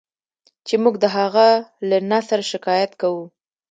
چې موږ د هغه له نثره شکایت کوو.